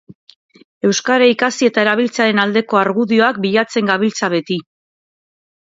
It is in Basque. Euskara ikasi eta erabiltzearen aldeko argudioak bilatzen gabiltza beti.